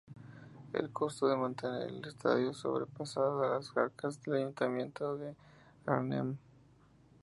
El costo de mantener el estadio sobrepasaba a las arcas del ayuntamiento de Arnhem.